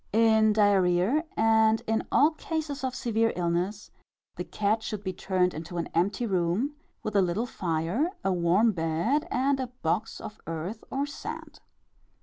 In diarrhœa, and in all cases of severe illness, the cat should be turned into an empty room, with a little fire, a warm bed and a box of earth or sand.